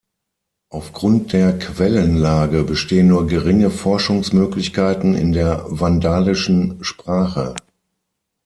Aufgrund der Quellenlage bestehen nur geringe Forschungsmöglichkeiten in der vandalischen Sprache.